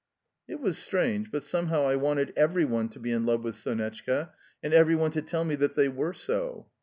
It was strange, but somehow I wanted every one to be in love with Sonetchka, and every one to tell me that they were so.